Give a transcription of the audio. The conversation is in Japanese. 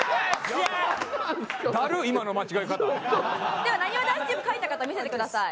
ではなにわ男子チーム書いた方見せてください。